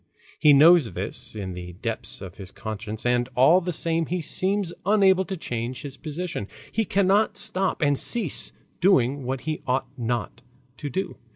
He knows this in the depths of his conscience, and all the same he seems unable to change his position; he cannot stop and cease doing what he ought not to do.